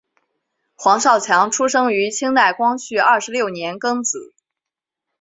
黄少强出生于清代光绪二十六年庚子。